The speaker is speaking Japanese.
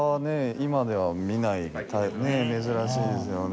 今では見ない大変珍しいですよね。